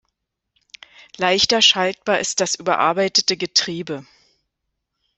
Leichter schaltbar ist das überarbeitete Getriebe.